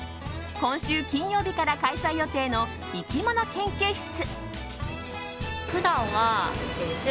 今週金曜日から開催予定のいきもの研究室。